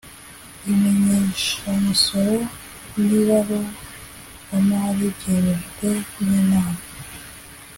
imenyeshamusoro n’ibaruramari byemejwe n’inama